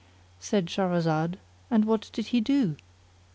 Said Shahrazad, "And what did he do?"